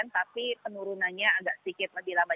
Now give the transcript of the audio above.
tapi penurunannya agak sedikit lebih lama